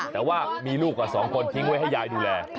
แต่ว่ามีลูกกับ๒คนทิ้งไว้ให้ยายดูแล